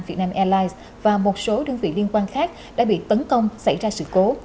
việt nam airlines và một số đơn vị liên quan khác đã bị tấn công xảy ra sự cố